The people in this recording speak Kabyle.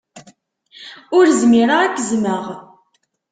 Ur zmireɣ ad k-zzmeɣ.